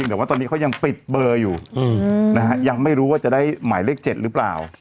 แต่ว่าตอนนี้เขายังปิดเบอร์อยู่นะฮะยังไม่รู้ว่าจะได้หมายเลข๗หรือเปล่า